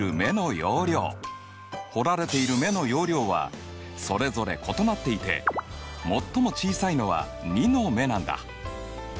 掘られている目の容量はそれぞれ異なっていて最も小さいのは２の目なんだ。